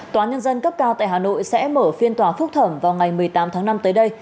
tòa nhân dân cấp cao tại hà nội sẽ mở phiên tòa phúc thẩm vào ngày một mươi tám tháng năm tới đây